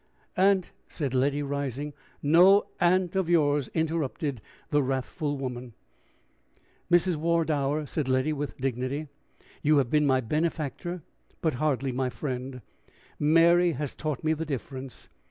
"Aunt " said Letty, rising. "No aunt of yours!" interrupted the wrathful woman. "Mrs. Wardour," said Letty, with dignity, "you have been my benefactor, but hardly my friend: Mary has taught me the difference.